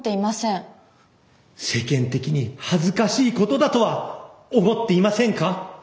世間的に恥ずかしいことだとは思っていませんか？